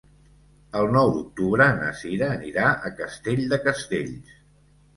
El nou d'octubre na Cira anirà a Castell de Castells.